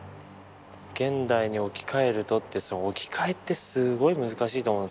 「現代に置き換えると」って置き換えってすごい難しいと思うんですけどね。